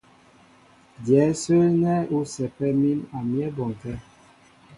Dyɛ̌ ásə́ nɛ́ ú sɛ́pɛ mǐm a myɛ́ bɔnkɛ́.